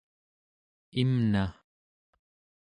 imna